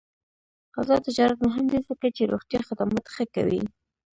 آزاد تجارت مهم دی ځکه چې روغتیا خدمات ښه کوي.